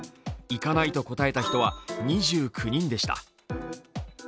行かないと答えた人は２９人でした。